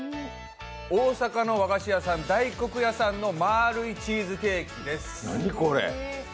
大阪の和菓子屋さん、大黒屋さんのまぁるいチーズケーキです。